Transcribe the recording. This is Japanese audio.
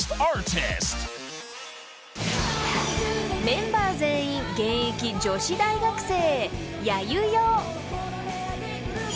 ［メンバー全員現役女子大学生］